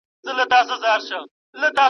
ژمی بې بارانه نه وي.